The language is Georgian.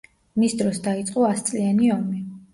მის დროს დაიწყო „ასწლიანი ომი“.